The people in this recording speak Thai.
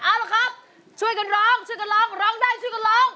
เอาละครับช่วยกันร้องช่วยกันร้องร้องได้ช่วยกันร้อง